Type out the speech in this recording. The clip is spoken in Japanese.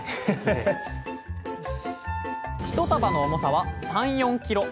１束の重さは３４ｋｇ。